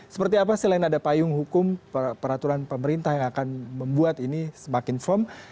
seperti apa selain ada payung hukum peraturan pemerintah yang akan membuat ini semakin firm